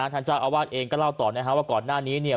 ท่านเจ้าอาวาสเองก็เล่าต่อว่าก่อนหน้านี้